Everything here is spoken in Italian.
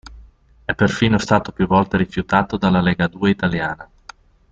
È perfino stato più volte rifiutato dalla Legadue italiana.